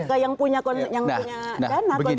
tidak yang punya dana konsensinya